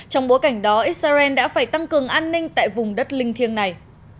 trong bối cảnh đó israel đã phải tăng cường an ninh tại vùng đất linh thiêng này